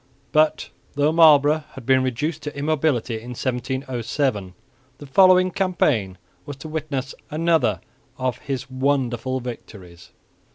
But, though Marlborough had been reduced to immobility in 1707, the following campaign was to witness another of his wonderful victories.